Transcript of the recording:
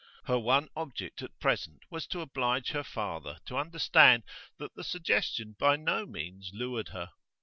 Her one object at present was to oblige her father to understand that the suggestion by no means lured her.